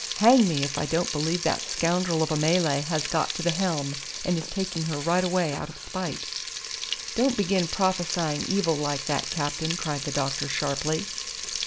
"Hang me if I don't believe that scoundrel of a Malay has got to the helm, and is taking her right away out of spite." "Don't begin prophesying evil like that, captain," cried the doctor sharply.